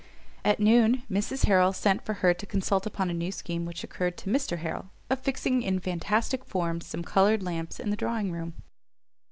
At noon Mrs Harrel sent for her to consult upon a new scheme which occurred to Mr Harrel, of fixing in fantastic forms some coloured lamps in the drawing room.